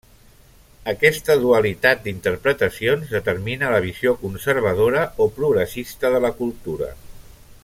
Aquesta dualitat d'interpretacions determina la visió conservadora o progressista de la cultura.